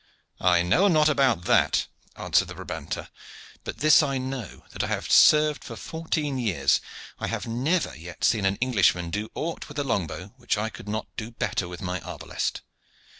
"I know not about that," answered the Brabanter, "but this I know, that though I have served for fourteen years, I have never yet seen an Englishman do aught with the long bow which I could not do better with my arbalest.